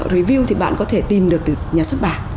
review thì bạn có thể tìm được từ nhà xuất bản